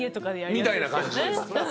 みたいな感じです。